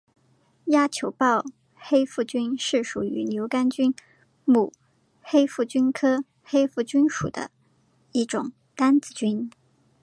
亚球孢黑腹菌是属于牛肝菌目黑腹菌科黑腹菌属的一种担子菌。